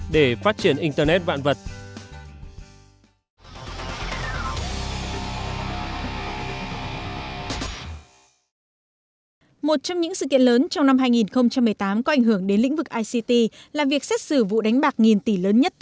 để phát triển thông tin